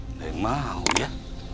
nggak mau ya